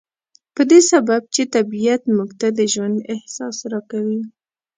په دې سبب چې طبيعت موږ ته د ژوند احساس را کوي.